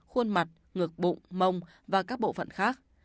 khuôn mặt ngược bụng mông và các bộ phận khác